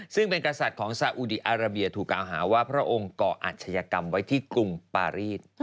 ซึ่งเป็นกษัตริย์ของสาอุดีอาราเบียถูกกล่าวหาว่าพระองค์ก่ออาชญากรรมไว้ที่กรุงปารีส